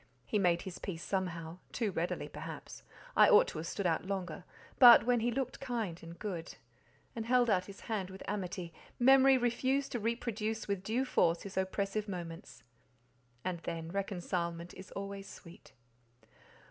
He made his peace somehow—too readily, perhaps: I ought to have stood out longer, but when he looked kind and good, and held out his hand with amity, memory refused to reproduce with due force his oppressive moments. And then, reconcilement is always sweet!